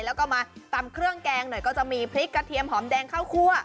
แล้วก็มาตำเครื่องแกงหน่อยก็จะมีพริกกระเทียมหอมแดงข้าวคั่ว